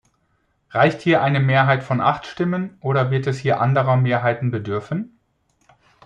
Reicht hier eine Mehrheit von acht Stimmen oder wird es hier anderer Mehrheiten bedürfen?